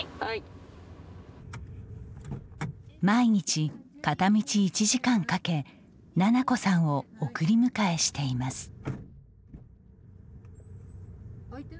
毎日、片道１時間かけ菜々子さんを送り迎えしています。